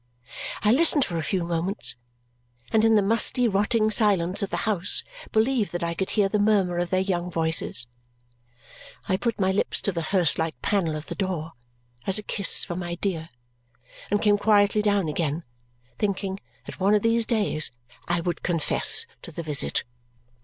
I listened for a few moments, and in the musty rotting silence of the house believed that I could hear the murmur of their young voices. I put my lips to the hearse like panel of the door as a kiss for my dear and came quietly down again, thinking that one of these days I would confess to the visit.